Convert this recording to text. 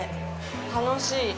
楽しい！